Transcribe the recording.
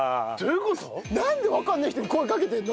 なんでわかんない人に声かけてんの？